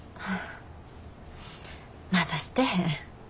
まだしてへん。